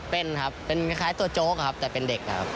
เป็นครับเป็นคล้ายตัวโจ๊กครับแต่เป็นเด็กครับ